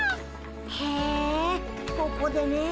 へえここでねえ。